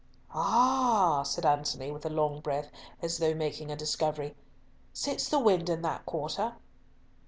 "Ah!" said Antony, with a long breath, as though making a discovery, "sits the wind in that quarter?"